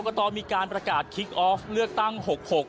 บคกฏจะมีการประกาศคิคอฟเลือกตั้งหกหก